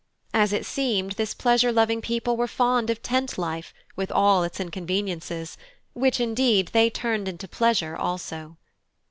As it seemed, this pleasure loving people were fond of tent life, with all its inconveniences, which, indeed, they turned into pleasure also.